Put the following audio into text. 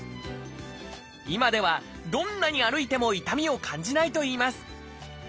今ではどんなに歩いても痛みを感じないといいます。